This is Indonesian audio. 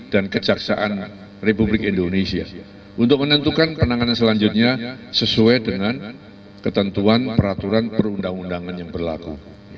dan kejaksaan republik indonesia untuk menentukan penanganan selanjutnya sesuai dengan ketentuan peraturan perundang undangan yang berlaku